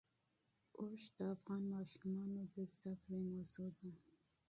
اوښ د افغان ماشومانو د زده کړې موضوع ده.